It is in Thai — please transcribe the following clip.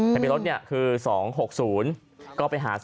ที่จอดแถวงอบร้าน